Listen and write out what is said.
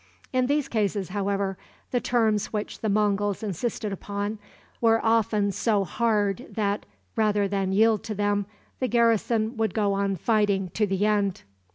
In these cases, however, the terms which the Monguls insisted upon were often so hard that, rather than yield to them, the garrison would go on fighting to the end.